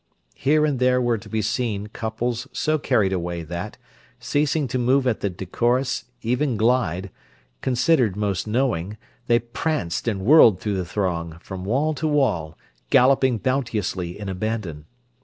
Here and there were to be seen couples so carried away that, ceasing to move at the decorous, even glide, considered most knowing, they pranced and whirled through the throng, from wall to wall, galloping bounteously in abandon.